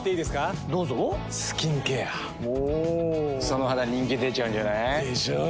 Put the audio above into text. その肌人気出ちゃうんじゃない？でしょう。